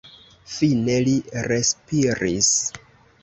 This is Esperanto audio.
Fine li respiris.